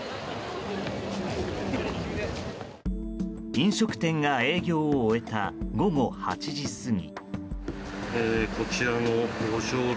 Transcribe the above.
飲食店が営業を終えた午後８時過ぎ。